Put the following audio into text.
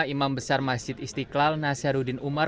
imam besar masjid istiqlal nasaruddin umar